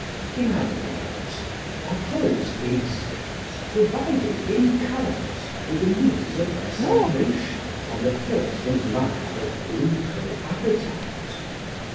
In other words, are those instincts provided in "Calamus" with the means of their salvation from the filth and mire of brutal appetite?